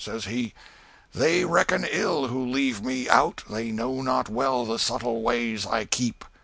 Says he "'They reckon ill who leave me out; They know not well the subtle ways I keep.